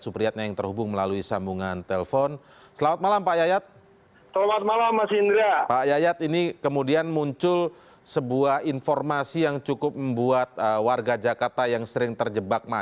enam proyek merupakan program pemerintah provinsi dki